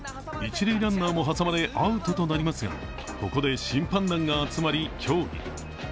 一塁ランナーも挟まれアウトとなりますが、ここで審判団が集まり協議。